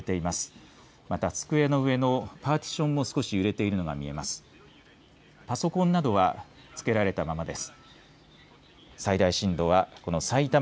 また、机の上のパーテーションも少し揺れているのが見えます。